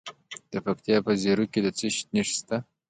د پکتیکا په زیروک کې د څه شي نښې دي؟